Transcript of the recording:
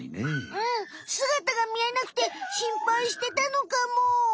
うんすがたがみえなくてしんぱいしてたのかも。